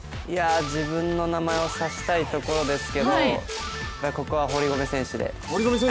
自分の名前を指したいところですけどここは、堀米選手で。